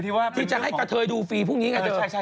ที่จะให้กระเทยดูฟรีพรุ่งนี้ไงเธอ